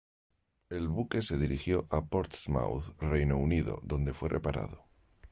El buque se dirigió a Portsmouth, Reino Unido donde fue reparado.